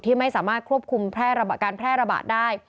ไม่สามารถควบคุมการแพร่ระบาดได้